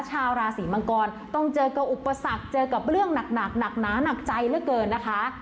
ชาวราศีมังกรต้องเจอกับอุปสรรคเจอกับเรื่องหนักหนักหนาหนักใจเหลือเกินนะคะ